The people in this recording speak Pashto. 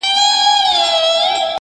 • د نر هلک ژړا په زانګو کي معلومېږي -